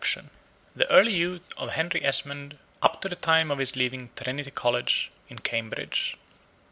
BOOK I THE EARLY YOUTH OF HENRY ESMOND, UP TO THE TIME OF HIS LEAVING TRINITY COLLEGE, IN CAMBRIDGE.